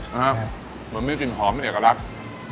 เหมือนมีกลิ่นหอมเป็นเอกลักษณ์